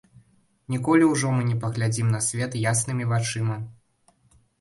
Ніколі ўжо мы не паглядзім на свет яснымі вачыма.